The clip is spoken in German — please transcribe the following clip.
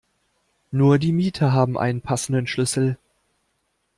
Nur die Mieter haben einen passenden Schlüssel.